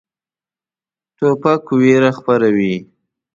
توپک ویره خپروي.